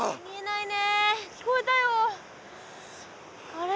あれ？